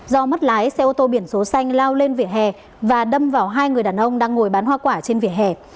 do mất lái xe ô tô biển số xanh lao lên vỉa hè và đâm vào hai người đàn ông đang ngồi bán hoa quả trên vỉa hè